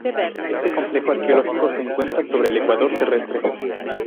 Este complejo arqueológico se encuentra sobre el Ecuador terrestre.